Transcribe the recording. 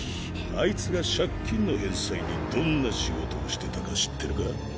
あいつが借金の返済にどんな仕事をしてたか知ってるか？